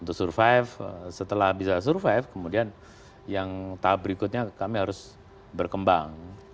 untuk survive setelah bisa survive kemudian yang tahap berikutnya kami harus berkembang